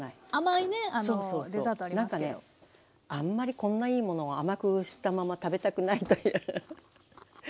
あんまりこんないいものを甘くしたまま食べたくないというウフフフ。